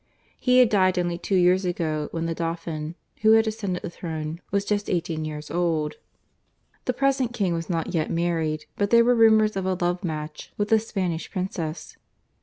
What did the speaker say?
He had died only two years ago, when the Dauphin, who had ascended the throne, was just eighteen years old. The present King was not yet married, but there were rumours of a love match with a Spanish princess.